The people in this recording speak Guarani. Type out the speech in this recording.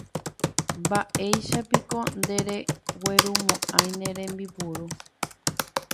Mba'éichapiko ndereguerumo'ãi ne rembipuru.